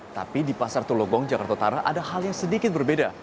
tapi di pasar tulogong jakarta utara ada hal yang sedikit berbeda